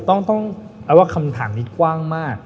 โอต้องมาว่าคำถังนิดกว้างมาก